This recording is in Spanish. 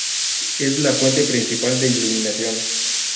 Es la fuente principal de iluminación.